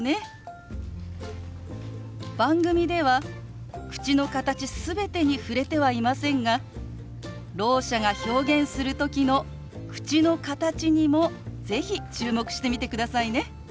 番組では口の形全てに触れてはいませんがろう者が表現する時の口の形にも是非注目してみてくださいね。